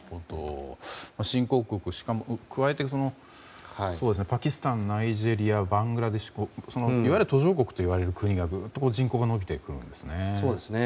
新興国加えてパキスタン、ナイジェリアバングラデシュいわゆる途上国といわれる国がぐっと人口が伸びてくるんですね。